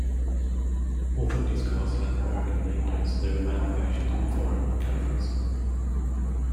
Although these cars had American nameplates, they were manufactured in foreign countries.